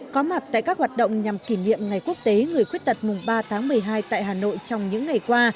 có mặt tại các hoạt động nhằm kỷ niệm ngày quốc tế người khuyết tật mùng ba tháng một mươi hai tại hà nội trong những ngày qua